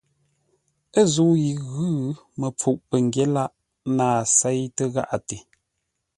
Ə̂ zə̂u yi ə́ ghʉ̌, məpfuʼ pəngyě lâʼ nâa séitə́ gháʼate.